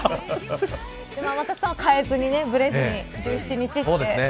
天達さんは変えずにぶれずに、１７日で。